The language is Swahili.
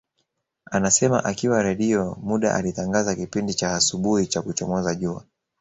Anasema akiwa Redio muda alitangaza kipindi cha asubuhi cha kuchomoza jua